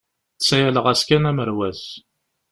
Ttsayaleɣ-as kan amerwas.